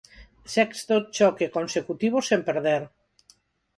Sexto choque consecutivo sen perder.